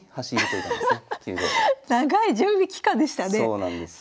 そうなんですよ。